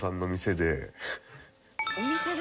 お店で？